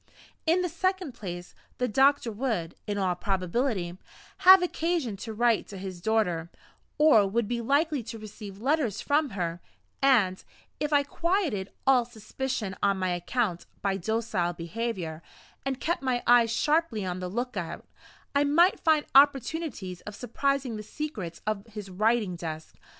In the second place, the doctor would, in all probability, have occasion to write to his daughter, or would be likely to receive letters from her; and, if I quieted all suspicion on my account, by docile behavior, and kept my eyes sharply on the lookout, I might find opportunities of surprising the secrets of his writing desk.